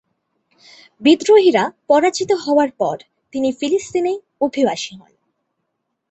বিদ্রোহীরা পরাজিত হওয়ার পর তিনি ফিলিস্তিনে অভিবাসী হন।